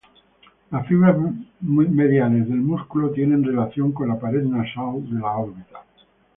Las fibras mediales del músculo tiene relación con la pared nasal de la órbita.